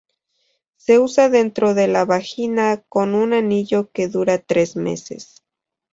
Se usa dentro de la vagina con un anillo que dura tres meses.